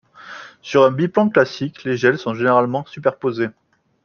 Sur un biplan classique, les ailes sont généralement superposées.